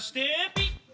ピッ！